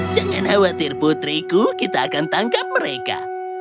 jangan khawatir putriku kita akan tangkap mereka